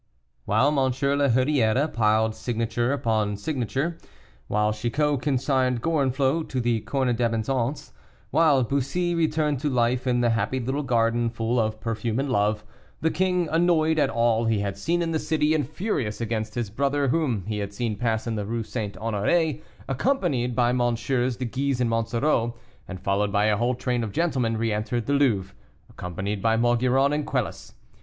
While M. la Hurière piled signature upon signature, while Chicot consigned Gorenflot to the Corne d'Abondance, while Bussy returned to life in the happy little garden full of perfume and love, the king, annoyed at all he had seen in the city, and furious against his brother, whom he had seen pass in the Rue St. Honoré, accompanied by MM. de Guise and Monsoreau, and followed by a whole train of gentlemen, re entered the Louvre, accompanied by Maugiron and Quelus.